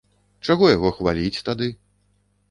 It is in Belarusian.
Чаго яго хваліць тады?